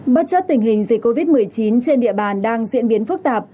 bất chấp tình hình dịch covid một mươi chín trên địa bàn đang diễn biến phức tạp